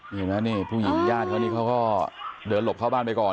เห็นไหมนี่ผู้หญิงญาติเขานี่เขาก็เดินหลบเข้าบ้านไปก่อน